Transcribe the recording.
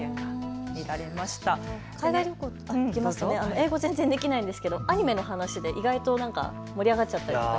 英語、全然できないんですけどアニメの話で意外と盛り上がっちゃったり。